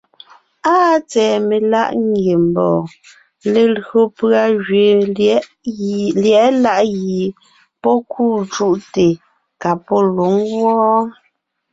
Áa tsɛ̀ɛ meláʼa ngiembɔɔn, lelÿò pʉ̀a gẅiin lyɛ̌ʼɛ láʼ gie pɔ́ kûu cúʼte ka pɔ́ lwǒŋ wɔ́ɔ.